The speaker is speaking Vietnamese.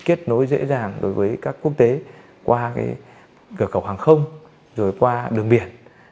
kết nối dễ dàng đối với các quốc tế qua cửa khẩu hàng không rồi qua đường biển